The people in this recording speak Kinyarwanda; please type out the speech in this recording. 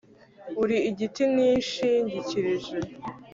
uri igiti nishingikirije